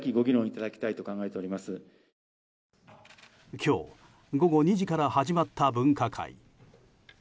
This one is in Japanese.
今日、午後２時から始まった分科会。